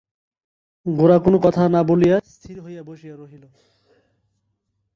গোরা কোনো কথা না বলিয়া স্থির হইয়া বসিয়া রহিল।